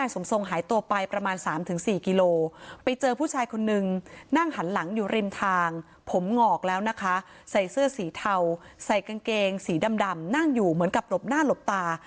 ใส่เสื้อสีเทาใส่กางเกงสีดำดำนั่งอยู่เหมือนกับหลบหน้าหลบตา